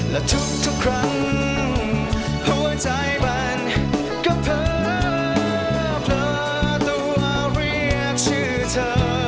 และทุกครั้งหัวใจมันก็เผลอตัวเรียกชื่อเธอ